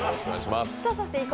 そして＝